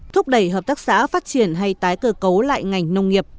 thúc đẩy hợp tác xã phát triển hay tái cơ cấu lại ngành nông nghiệp